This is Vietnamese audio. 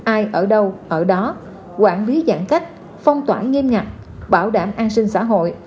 ai ở đâu ở đó quản lý giãn cách phong tỏa nghiêm ngặt bảo đảm an sinh xã hội